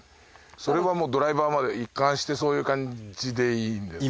それはもうドライバーまで一貫してそういう感じでいいんですか？